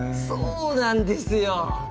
そうなんですよ！